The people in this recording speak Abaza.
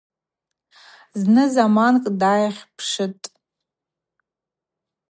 Зны-заманкӏ дгӏайхьпшитӏ.